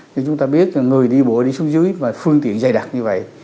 như chúng ta biết là người đi bộ đi xuống dưới mà phương tiện dày đặc như vậy